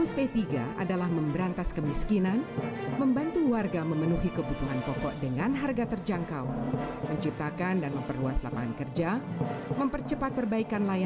setidak tidaknya bisa melebihi apa yang pernah kita capai selama masa reformasi ini